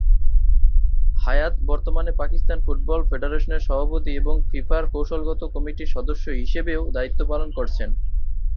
হায়াত বর্তমানে পাকিস্তান ফুটবল ফেডারেশনের সভাপতি এবং ফিফার কৌশলগত কমিটির সদস্য হিসেবেও দায়িত্ব পালন করছেন।